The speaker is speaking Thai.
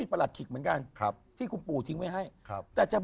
คิกคิกคิกคิกคิกคิกคิกคิกคิกคิกคิกคิกคิกคิก